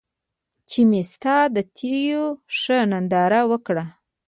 چې مې ستا د تېو ښه ننداره وکــړه